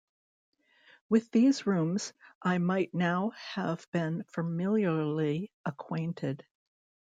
With these rooms I might now have been familiarly acquainted!